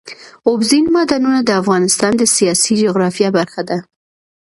اوبزین معدنونه د افغانستان د سیاسي جغرافیه برخه ده.